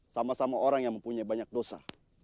sama sama orang yang mempunyai banyak dosa